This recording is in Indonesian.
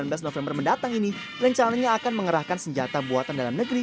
dan di tahun dua belas november mendatang ini rencananya akan mengerahkan senjata buatan dalam negeri